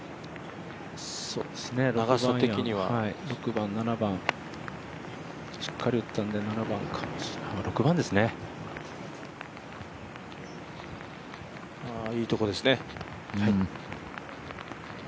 そうですね、６番、７番しっかり打ったんで７番かもしれないいいところですね。